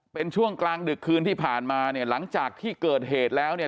เป็นช่วงกลางดึกคืนที่ผ่านมาเนี่ยหลังจากที่เกิดเหตุแล้วเนี่ย